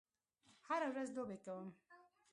هره ورځ لوبې کوم